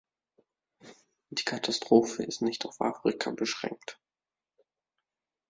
Die Katastrophe ist nicht auf Afrika beschränkt.